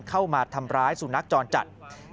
เข้ามาทำร้ายสุนัขจรจัด